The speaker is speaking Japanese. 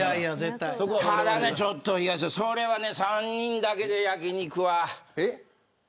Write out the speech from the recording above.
ただ、ちょっとそれは３人だけで焼き肉は。